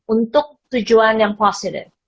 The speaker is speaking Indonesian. untuk tujuan yang positif